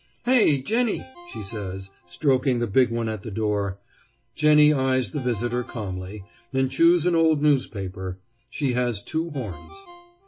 "Hey, Jenny!" she says, stroking the big one at the door. Jenny eyes the visitor calmly, and chews an old newspaper. She has two horns.